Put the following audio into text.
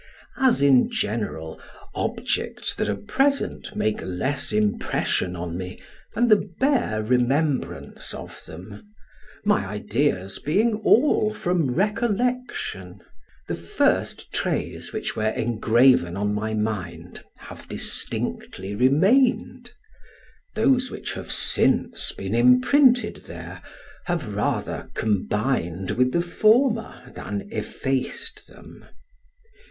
As, in general, objects that are present make less impression on me than the bare remembrance of them (my ideas being all from recollection), the first traits which were engraven on my mind have distinctly remained: those which have since been imprinted there, have rather combined with the former than effaced them.